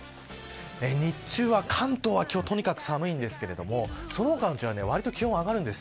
日中は関東は今日はとにかく寒いですがそのほかの地方はわりと気温が上がるんです。